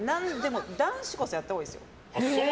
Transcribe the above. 男子こそやったほうがいいですよ。